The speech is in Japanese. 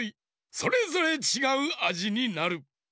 それぞれちがうあじになる。